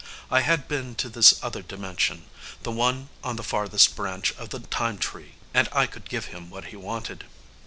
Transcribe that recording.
I had been to this other dimension the one on the farthest branch of the time tree and I could give him what he wanted.